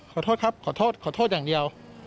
ขอโทษครับขอโทษขอโทษอย่างเดียว